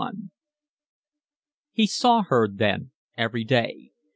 LXI He saw her then every day.